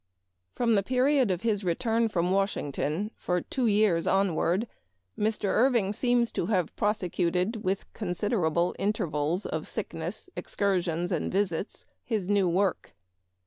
FROM the period of his return from Wash ington for two years onward, Mr. Irving seems to have prosecuted, with considerable in tervals of sickness, excursions, and visits, his new work.